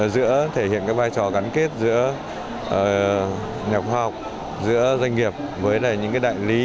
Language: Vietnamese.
giữa thể hiện cái vai trò gắn kết giữa nhà khoa học giữa doanh nghiệp với những đại lý